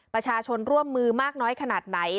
ประชาชนร่วมมือมากน้อยขนาดไหน